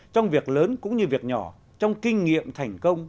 trong việc lớn cũng như việc nhỏ trong kinh nghiệm thành công